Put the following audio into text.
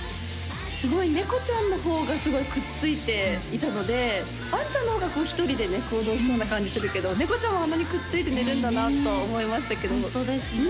すごい猫ちゃんの方がすごいくっついていたのでワンちゃんの方が１人でね行動しそうな感じするけど猫ちゃんもあんなにくっついて寝るんだなと思いましたけどホントですね